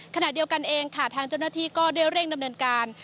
ขณะเดียวกันเองถ้าธังจำนวนทีก็เรียกเร่งดำเนินการ